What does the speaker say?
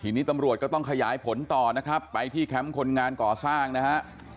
ทีนี้ตำรวจก็ต้องขยายผลต่อนะครับไปที่แคมป์คนงานก่อสร้างนะฮะ